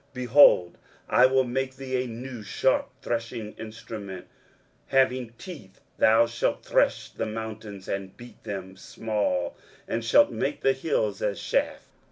23:041:015 Behold, I will make thee a new sharp threshing instrument having teeth: thou shalt thresh the mountains, and beat them small, and shalt make the hills as chaff.